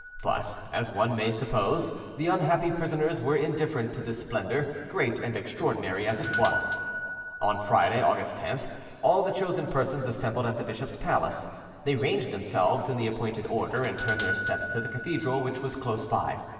But, as one may suppose, the unhappy prisoners were indifferent to this splendour, great and extraordinary as it was. On Friday, August 10th, all the chosen persons assembled at the bishop's palace: they ranged themselves in the appointed order, and turned their steps to the cathedral, which was close by.